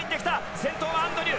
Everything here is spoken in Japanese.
先頭はアンドリュー。